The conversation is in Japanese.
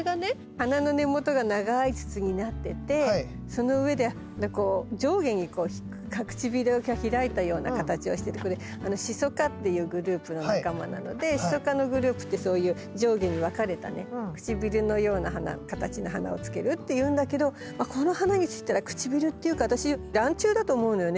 花の根元が長い筒になっててその上で上下に唇が開いたような形をしててこれシソ科っていうグループの仲間なのでシソ科のグループってそういう上下に分かれたね唇のような形の花をつけるっていうんだけどこの花にしたら唇っていうか私ランチュウだと思うのよね